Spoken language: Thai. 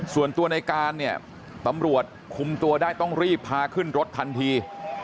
ส่วนตัวในการเนี่ยตำรวจคุมตัวได้ต้องรีบพาขึ้นรถทันที